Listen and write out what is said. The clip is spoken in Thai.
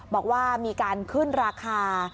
บอกว่ามีการขึ้นราคา